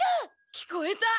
聞こえた！